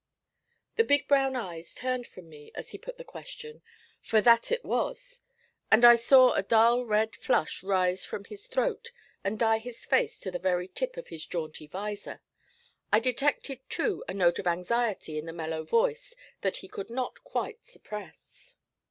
The big brown eyes turned from me as he put the question, for that it was, and I saw a dull red flush rise from his throat and dye his face to the very tip of his jaunty visor. I detected, too, a note of anxiety in the mellow voice that he could not quite suppress.